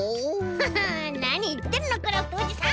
ハハなにいってんのクラフトおじさん。